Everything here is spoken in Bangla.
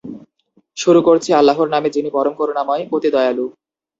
শুরু করছি আল্লাহর নামে যিনি পরম করুণাময়, অতি দয়ালু।